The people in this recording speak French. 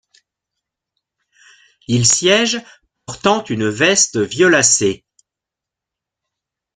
Ils siègent portant une veste violacée.